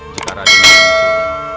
jika raden menjaga